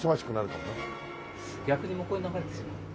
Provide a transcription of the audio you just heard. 逆に向こうに流れてしまうので。